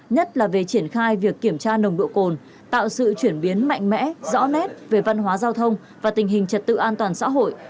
nhất là về triển khai việc kiểm tra nồng độ cồn tạo sự chuyển biến mạnh mẽ rõ nét về văn hóa giao thông và tình hình trật tự an toàn xã hội